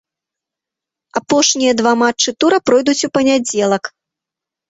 Апошнія два матчы тура пройдуць у панядзелак.